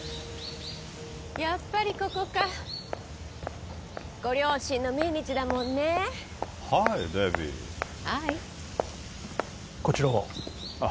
やっぱりここかご両親の命日だもんねハイデビーハーイこちらは？